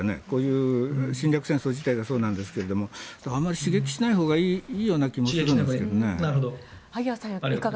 こういう侵略戦争自体がそうなんですがあんまり刺激しないほうがいいような気がするんですけど。